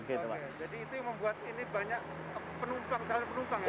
jadi itu yang membuat ini banyak penumpang penumpang ya